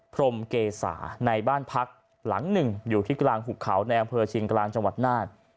พรมเกษาในบ้านพักหลังหนึ่งอยู่ที่กลางหุบเขาในอำเภอเชียงกลางจังหวัดน่าน